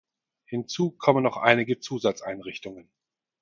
Hinzu kommen noch einige Zusatzeinrichtungen.